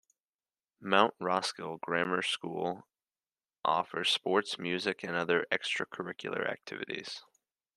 Mount Roskill Grammar School offers sports, music and other extracurricular activities.